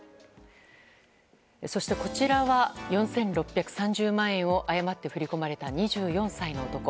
そしてこちらは４６３０万円を誤って振り込まれた２４歳の男。